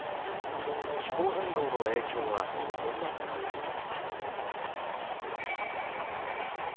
気候変動の影響はこんなところにも。